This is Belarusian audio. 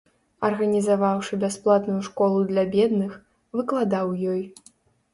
Арганізаваўшы бясплатную школу для бедных, выкладаў у ёй.